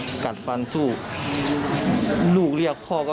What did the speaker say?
และก็มีการกินยาละลายริ่มเลือดแล้วก็ยาละลายขายมันมาเลยตลอดครับ